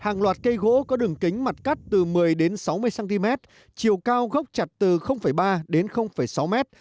hàng loạt cây gỗ có đường kính mặt cắt từ một mươi đến sáu mươi cm chiều cao gốc chặt từ ba đến sáu mét